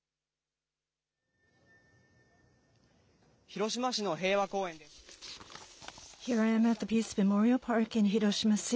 広島市の平和公園です。